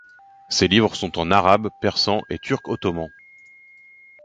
Ces livres sont en arabe, persan et turc ottoman.